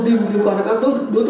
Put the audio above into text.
có dự lệnh yêu cầu các đảng phương